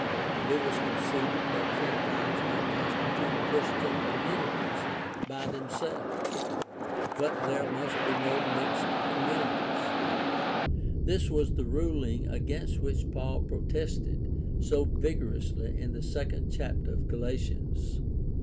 It was 278 GUIDE TO STUDY OF CHRISTIAN RELIGION conceded that Gentiles might constitute Christian communi ties by themselves, but there must be no mixed communities. This was the ruling against which Paul protested so vigorously in the second chapter of Galatians.